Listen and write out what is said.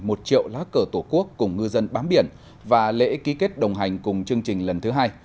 một triệu lá cờ tổ quốc cùng ngư dân bám biển và lễ ký kết đồng hành cùng chương trình lần thứ hai